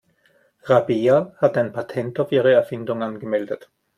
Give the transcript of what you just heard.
Rabea hat ein Patent auf ihre Erfindung angemeldet.